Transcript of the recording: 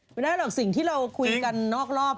มันนร์สิต์ที่เราคุยกันนอกลอบ